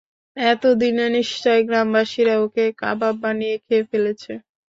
এতদিনে নিশ্চয়ই গ্রামবাসীরা ওকে কাবাব বানিয়ে খেয়ে ফেলেছে!